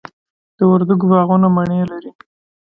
د وردګو باغونه مڼې لري.